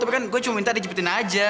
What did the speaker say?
tapi kan gue cuma minta di cepetin aja